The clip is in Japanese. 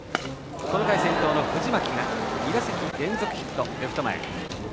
この回、先頭の藤巻が２打席連続ヒット、レフト前。